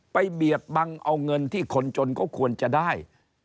เบียดบังเอาเงินที่คนจนเขาควรจะได้